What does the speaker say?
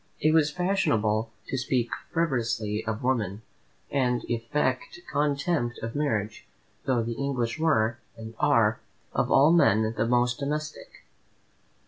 It was fashionable to speak frivolously of women, and affect contempt of marriage, though the English were, and are, of all men the most domestic.